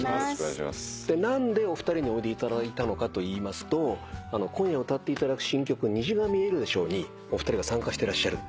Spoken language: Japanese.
何でお二人においでいただいたのかというと今夜歌っていただく新曲『虹が見えるでしょう』にお二人が参加してらっしゃる。